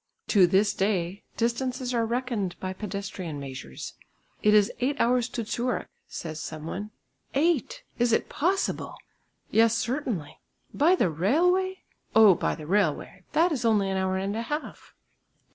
To this day distances are reckoned by pedestrian measures. "It is eight hours to Zurich," says some one. "Eight! is it possible?" "Yes, certainly." "By the railway?" "Oh! by the railway, that is only an hour and a half."